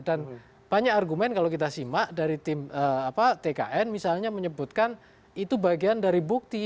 dan banyak argumen kalau kita simak dari tim tkn misalnya menyebutkan itu bagian dari bukti